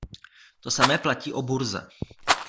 To samé platí o burze.